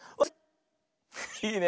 いいね。